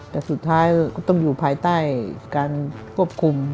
แต่สุดท้ายก็ต้องอยู่ภายใต้การควบคุม